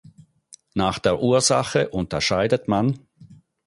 Nach der Ursache unterscheidet man